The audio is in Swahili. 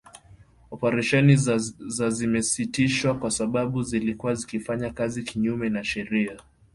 Oparesheni za zimesitishwa kwa sababu zilikuwa zikifanya kazi kinyume cha sheria